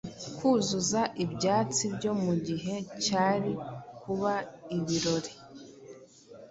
kuzuza ibyatsi byo mu gihe cyari kuba ibirori